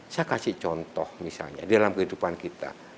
saya kasih contoh misalnya dalam kehidupan kita